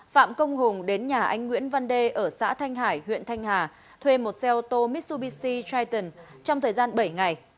phạm công hùng đến nhà anh nguyễn văn đê ở xã thanh hải huyện thanh hà thuê một xe ô tô mitsubishi triton trong thời gian bảy ngày